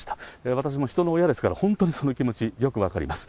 私も人の親ですから、本当にその気持ち、よく分かります。